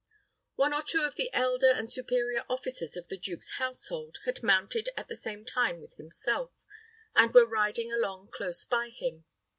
One or two of the elder and superior officers of the duke's household had mounted at the same time with himself, and were riding along close by him.